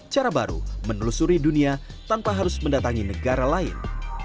cara baru menelusuri dunia tanpa harus mendatangi negara lain